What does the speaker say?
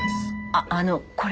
あっあのこれ。